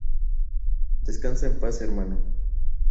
Descansa en paz, hermano.